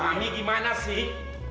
mami gimana sih